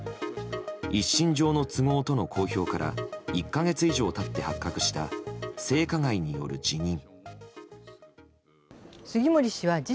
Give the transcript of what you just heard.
一身上の都合との公表から１か月以上経って発覚した性加害による辞任。